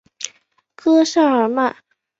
戈塞尔曼。